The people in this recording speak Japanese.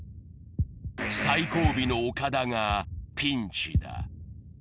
最後尾のオカダがピンチだ。